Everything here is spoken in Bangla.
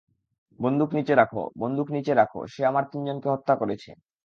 বন্দুক নিচে রাখো - বন্দুক নিচে রাখো - সে আমার তিনজনকে হত্যা করেছে।